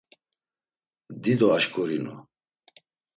Dido aşǩurinu.